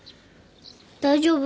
大丈夫？